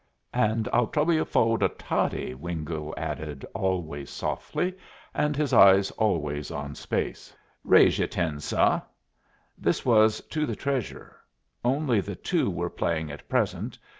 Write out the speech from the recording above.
"And I'll trouble you fo' the toddy," Wingo added, always softly, and his eyes always on space. "Raise you ten, suh." This was to the Treasurer. Only the two were playing at present.